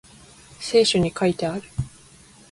聖書に書いてある